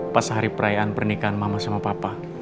pas hari perayaan pernikahan mama sama papa